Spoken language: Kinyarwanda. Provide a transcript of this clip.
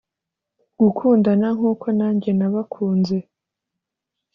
gukundana nk’uko nanjye nabakunze ».